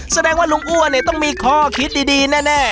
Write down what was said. แสดงว่าลุงอ้วนเนี่ยต้องมีข้อคิดดีแน่